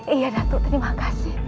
iya datuk terima kasih